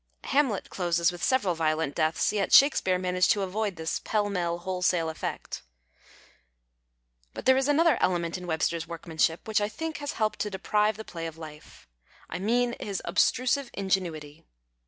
Hamlet closes with several violent deaths, yet Shakespeare managed to avt>id this pell mell wholesale effect. 178 VICISSITUDES OF CLASSICS But there is another element in Webster's work manship which, I think, has helped to deprive the play of life. I mean his obtrusive ingenuity.